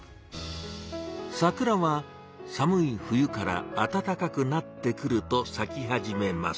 桜は寒い冬からあたたかくなってくると咲き始めます。